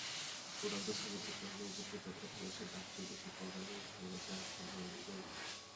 রোনালদোর সমর্থকেরা রোনালদোকে যতটা ভালোবাসেন, তার চেয়েও বেশি প্রগাঢ় ভালোবাসায় আচ্ছন্ন রিবেরি।